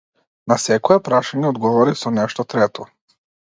На секое прашање одговарај со нешто трето.